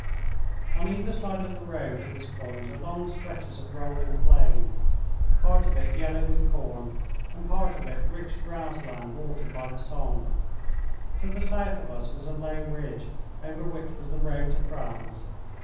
On either side of the road at this point are long stretches of rolling plain, part of it yellow with corn and part of it rich grass land watered by the Sambre. To the south of us was a low ridge, over which was the road to France.